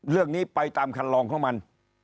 เรื่องนี้ไปตามคันลองของมัน